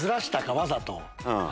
わざと。